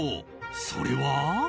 それは。